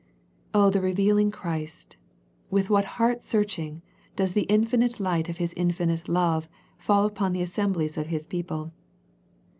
Oh the revealing Christ ! With what heart search ing does the infinite light of His infinite love fall upon the assemblies of His people.